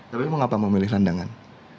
tapi mengapa memilih landangan